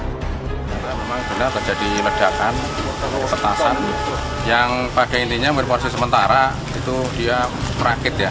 memang benar terjadi ledakan petasan yang bagai intinya memperkuat sementara itu dia merakit ya